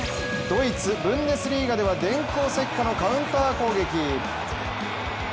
ドイツ、ブンデスリーガでは電光石火のカウンター攻撃！